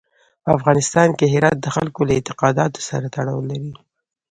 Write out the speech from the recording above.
په افغانستان کې هرات د خلکو له اعتقاداتو سره تړاو لري.